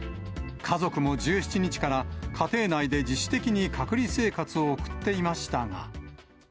家族も１７日から、家庭内で自主的に隔離生活を送っていましたが。